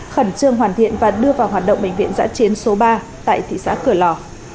khẩn trương hoàn thiện và đưa vào hoạt động bệnh viện giã chiến số ba tại thị xã cửa lò